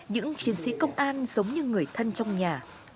những chiến sĩ công an giống như người thân trong nhà